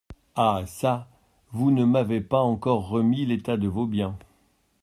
Ah çà ! vous ne m’avez pas encore remis l’état de vos biens.